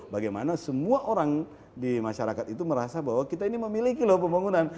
bagaimana semua orang di masyarakat itu merasa bahwa kita ini memiliki loh pembangunan